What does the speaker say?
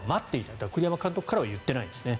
だから栗山監督からは言っていないんですね。